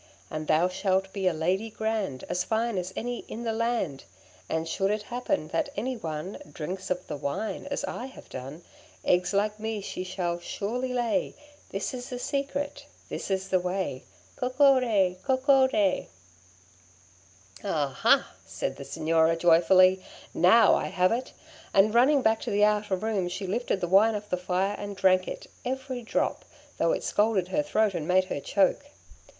And thou shalt be a lady grand, As fine as any in the land, And should it happen that any one Drinks of the wine as I have done, Eggs like me she shall surely lay; This is the secret, this is the way, Coccodé! Coccodé!' [Footnote 4: Leyland's 'Legends of Florence'] 'Aha!' said the Signora joyfully, 'now I have it!' And running back to the outer room, she lifted the wine off the fire and drank it, every drop, though it scalded her throat and made her choke.